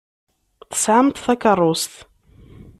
Tesɛamt takeṛṛust.